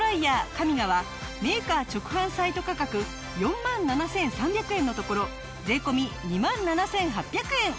ＫＡＭＩＧＡはメーカー直販サイト価格４万７３００円のところ税込２万７８００円。